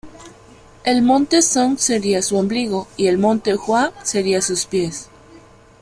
El monte Song sería su ombligo, y el monte Hua sería sus pies.